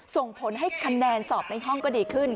ส่งผลให้คะแนนสอบในห้องก็ดีขึ้น